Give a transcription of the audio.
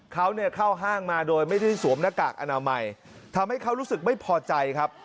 เขาเนี่ยเข้าห้างมาโดยไม่ได้สวมหน้ากากอนามัยทำให้เขารู้สึกไม่พอใจครับ